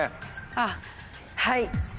あっはい。